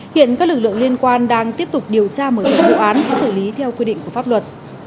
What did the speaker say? hiện các lực lượng liên quan đang tiếp tục điều tra mở rộng vụ án xử lý theo quy định của pháp luật